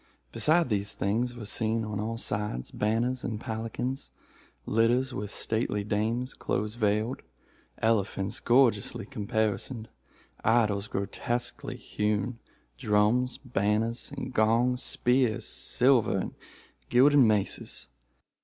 Besides these things, were seen, on all sides, banners and palanquins, litters with stately dames close veiled, elephants gorgeously caparisoned, idols grotesquely hewn, drums, banners, and gongs, spears, silver and gilded maces.